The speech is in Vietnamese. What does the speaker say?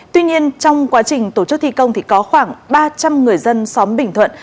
tuy nhiên trong quá trình tổ chức thi công thì có khoảng ba trăm linh người dân xóm bình thuận